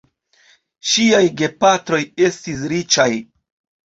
Ŝiaj gepatroj estis riĉaj.